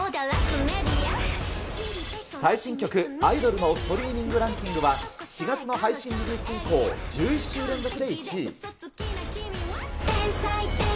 最新曲、アイドルのストリーミングランキングは、４月の配信以降、１１週連続で１位。